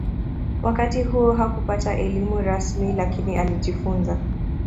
Wakati huo hakupata elimu rasmi lakini alijifunza